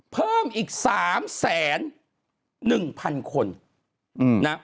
เพิ่มอีก๓๑๐๐๐๐๐คน